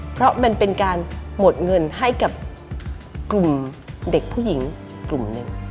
เพราะมันเป็นการหมดเงินให้กับกลุ่มเด็กผู้หญิงกลุ่มหนึ่ง